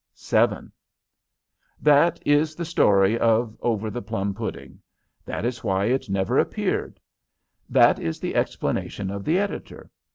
VII That is the story of "Over the Plum Pudding." That is why it never appeared. That is the explanation of the editor.